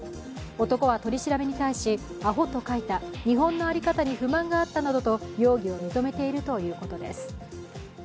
男は取り調べに対し、あほと書いた日本の在り方に不満があったなどと容疑を認めているということです。